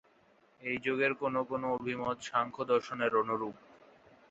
এই যোগের কোনো কোনো অভিমত সাংখ্য দর্শনের অনুরূপ।